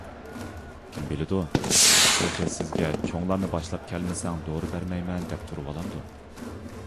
كىم بىلىدۇ، تېخى سىزگە چوڭلارنى باشلاپ كەلمىسەڭ دورا بەرمەيمەن دەپ تۇرۇۋالامدۇ!